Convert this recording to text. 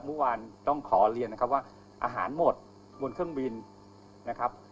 เมื่อวานต้องขอเรียนนะครับว่าอาหารหมดบนเครื่องบินนะครับ